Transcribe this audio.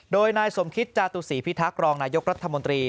โดยนายสมคิตจาตุศีพิทักษ์รองนายกรัฐมนตรี